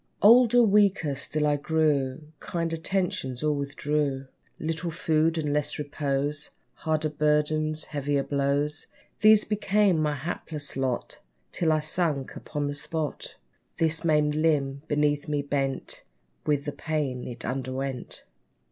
Older weaker still I grew: Kind attentions all withdrew! Little food, and less repose; Harder burdens heavier blows, These became my hapless lot, Till I sunk upon the spot! This maimed limb beneath me bent With the pain it underwent.